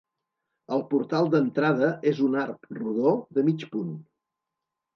El portal d'entrada és un arc rodó de mig punt.